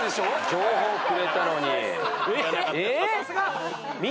情報くれたのに。